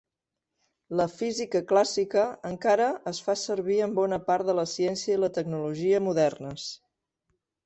La física clàssica encara es fa servir en bona part de la ciència i la tecnologia modernes.